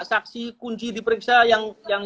saksi kunci diperiksa yang